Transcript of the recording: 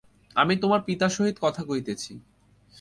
আমি তোমার পিতার সহিত কথা কহিতেছি।